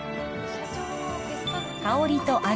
香りと味